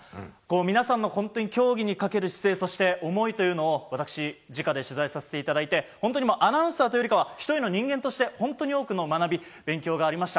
皆さんの競技にかける姿勢思いというのを私、直で取材させていただいて本当にアナウンサーというよりは１人の人間として本当に多くの学びがありました。